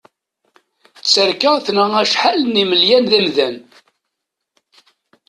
Tterka tenɣa acḥal n imelyan d amdan.